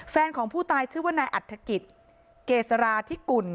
แฟนของผู้ตายชื่อว่านายอัฐกิจเกษราธิกุล